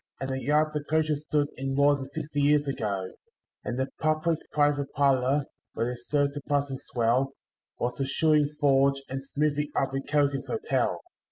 And the yard the coaches stood in more than sixty years ago; And the public private parlour, where they serve the passing swell, Was the shoeing forge and smithy up at Callaghan's Hotel.